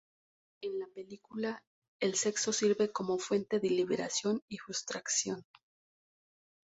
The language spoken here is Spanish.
En la película, el sexo sirve como fuente de liberación y frustración.